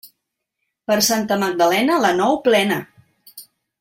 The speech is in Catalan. Per Santa Magdalena, la nou plena.